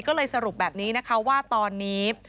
ก็เลยสรุปแบบนี้นะคะว่าตอนนี้